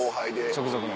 直属の。